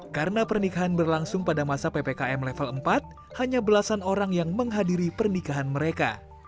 karena pernikahan berlangsung pada masa ppkm level empat hanya belasan orang yang menghadiri pernikahan mereka